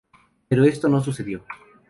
Pero esto no sucedió.